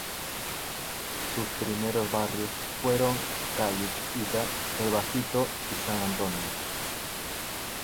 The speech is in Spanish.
Sus primeros barrios fueron Calle Chiquita, El Bajito y San Antonio.